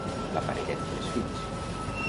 La parella té tres fills.